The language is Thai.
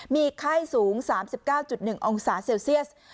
มีไข้สูง๓๙๑องศาเซลเซียส